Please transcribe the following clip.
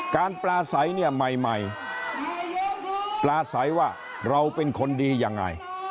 การปลาใสใหม่ปลาใสว่าเราเป็นคนดีอย่างไร